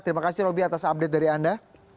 terima kasih roby atas update dari anda